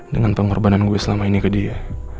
dengan pengorbanan gue selama ini ke dia